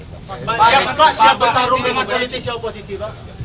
pak siap bertarung dengan politisi oposisi pak